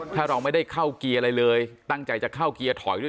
ถ้าเราไม่ได้เข้าเกียร์อะไรเลยตั้งใจจะเข้าเกียร์ถอยด้วย